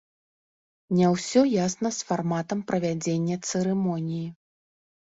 Не ўсё ясна з фарматам правядзення цырымоніі.